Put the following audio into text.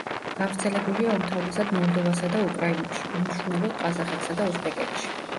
გავრცელებულია უმთავრესად მოლდოვასა და უკრაინაში, უმნიშვნელოდ ყაზახეთსა და უზბეკეთში.